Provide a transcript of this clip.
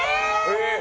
えっ？